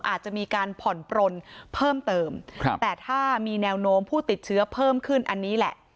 อาจจะมีการผ่อนปลนเพิ่มเติมครับแต่ถ้ามีแนวโน้มผู้ติดเชื้อเพิ่มขึ้นอันนี้แหละ